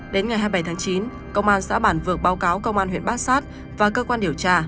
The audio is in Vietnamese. đến ngày hai mươi bảy tháng chín công an xã bản vược báo cáo công an huyện bát sát và cơ quan điều tra